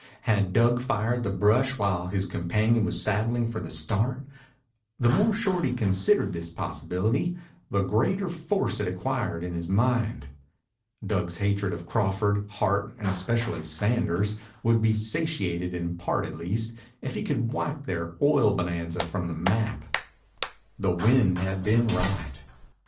Had Dug fired the brush while his companion was saddling for the start? The more Shorty considered this possibility, the greater force it acquired in his mind. Dug's hatred of Crawford, Hart, and especially Sanders would be satiated in part at least if he could wipe their oil bonanza from the map. The wind had been right.